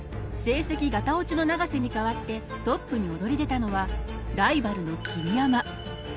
成績ガタオチの永瀬に代わってトップに躍り出たのはライバルの桐山。